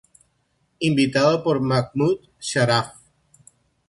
Invitado por Mahmoud Sharaf.